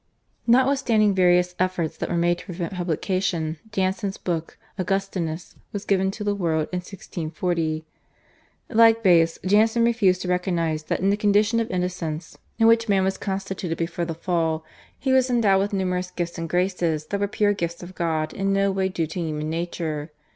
" Notwithstanding various efforts that were made to prevent publication Jansen's book /Augustinus/ was given to the world in 1640. Like Baius Jansen refused to recognise that in the condition of innocence, in which man was constituted before the Fall, he was endowed with numerous gifts and graces, that were pure gifts of God in no way due to human nature.